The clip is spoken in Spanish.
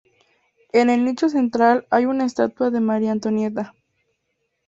En el nicho central hay una estatua de María Antonieta.